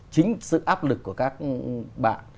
chính sự áp lực của các bạn